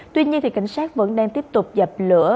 tuy nhiên cảnh sát vẫn đang tiếp tục dập lửa